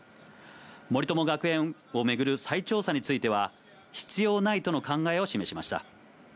森友学園を巡る再調査については、必要ないとの考えを示しました。